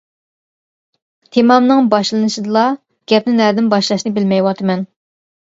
تېمامنىڭ باشلىنىشىدىلا گەپنى نەدىن باشلاشنى بىلمەيۋاتىمەن.